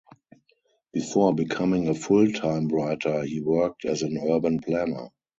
Before becoming a full-time writer, he worked as an urban planner.